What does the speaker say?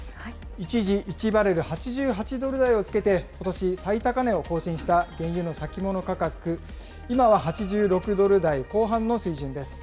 一時１バレル８８ドル台をつけて、ことし最高値を更新した原油の先物価格、今は８６ドル台後半の水準です。